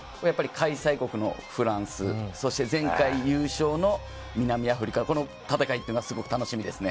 開催国のフランス、そして前回優勝の南アフリカ、この戦いがすごく楽しみです。